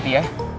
tante ya udah